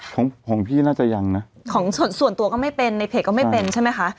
ของของพี่น่าจะยังนะของส่วนส่วนตัวก็ไม่เป็นในเพจก็ไม่เป็นใช่ไหมคะ